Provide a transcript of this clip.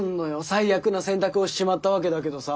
最悪の選択をしちまったわけだけどさ。